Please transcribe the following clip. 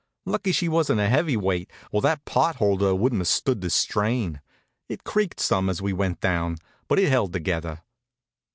Lucky she wasn't a heavy weight, or that pot holder wouldn't have stood the strain. It creaked some as we went down, but it held together.